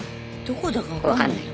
どこだか分かんない。